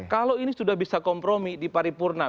kalau ini sudah bisa kompromi di pari purna